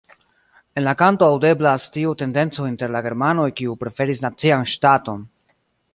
En la kanto aŭdeblas tiu tendenco inter la germanoj kiu preferis nacian ŝtaton.